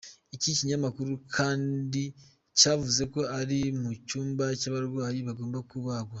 Iki kinyamakuru kandi cyavuze ko ari mu cyumba cy’abarwayi bagomba kubagwa.